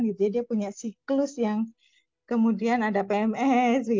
jadi dia punya siklus yang kemudian ada pms